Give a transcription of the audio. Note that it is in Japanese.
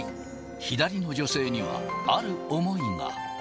左の女性にはある思いが。